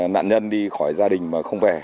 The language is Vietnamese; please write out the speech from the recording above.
nạn nhân đi khỏi gia đình mà không về